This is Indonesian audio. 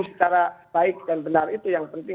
secara baik dan benar itu yang penting